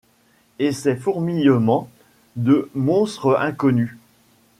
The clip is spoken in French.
Et ses fourmillements de monstres inconnus.